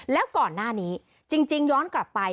แล้วก่อนหน้านี้จริงย้อนกลับไป